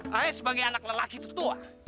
saya sebagai anak lelaki tertua